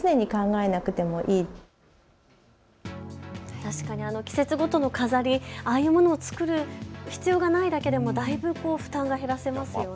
確かに季節ごとの飾り、ああいうものを作る必要がないだけでもだいぶ負担が減らせますよね。